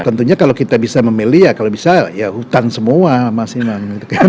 tentunya kalau kita bisa memilih ya kalau bisa ya hutan semua mas imam